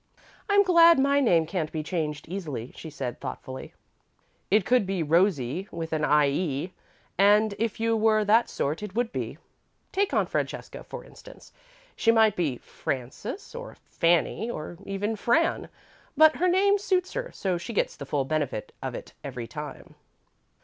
"I'm glad my name can't be changed, easily," she said, thoughtfully. "It could be 'Rosie,' with an 'ie,' and if you were that sort, it would be. Take Aunt Francesca, for instance. She might be 'Frances' or 'Fanny' or even 'Fran,' but her name suits her, so she gets the full benefit of it, every time."